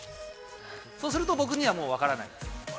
そうすると、僕にはもう分からない。